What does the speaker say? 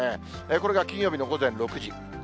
これが金曜日の午前６時。